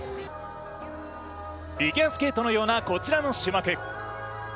フィギュアスケートのようなこちらの種目。